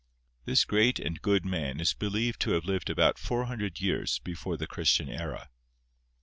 This great and good man is believed to have lived about 400 years before the Christian era.